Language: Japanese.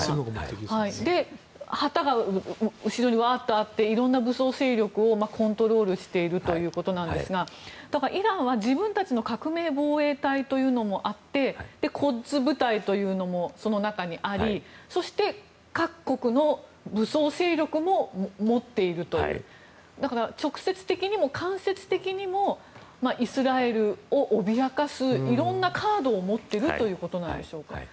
旗が後ろにあっていろんな武装勢力をコントロールしているということですがイランは自分たちの革命防衛隊というのもあってコッズ部隊というのもその中にありそして各国の武装勢力も持っているというだから、直接的にも間接的にもイスラエルを脅かすいろんなカードを持っているということなんでしょうか。